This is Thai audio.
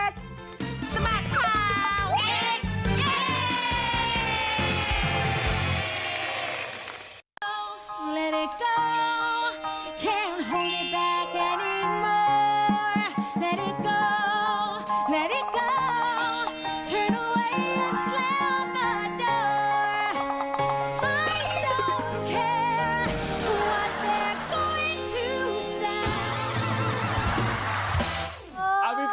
สมัครข่าวเด็ก